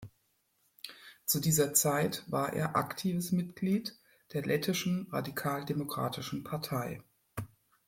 Zu dieser Zeit war er aktives Mitglied der Lettischen radikaldemokratischen Partei.